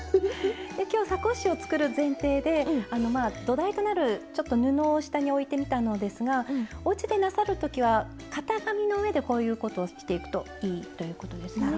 今日サコッシュを作る前提であのまあ土台となるちょっと布を下に置いてみたのですがおうちでなさる時は型紙の上でこういうことをしていくといいということですね。